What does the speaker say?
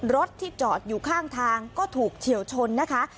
รถที่จอดอยู่ข้างทางก็ถูกเฉียวชนนะคะ